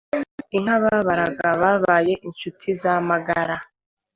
inka babaga babaye inshuti z'amagara